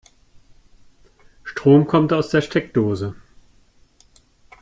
Strom kommt aus der Steckdose.